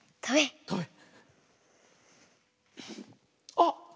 あっ！